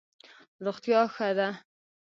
روغتیا ښه ده.